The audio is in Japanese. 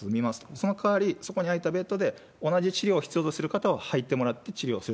そのかわり、そこに空いたベッドで、同じ治療を必要とする方を、入ってもらって治療する。